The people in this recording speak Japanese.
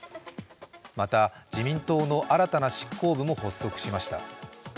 また、自民党の新たな執行部も発足しました。